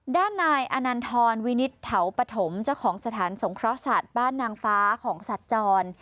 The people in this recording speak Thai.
ด้านนายอนันทรวินิตเถาปฐมเจ้าของสถานสงเคราะห์สัตว์บ้านนางฟ้าของสัตว์จร